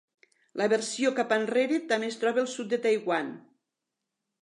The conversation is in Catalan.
La versió cap enrere també es troba al sud de Taiwan.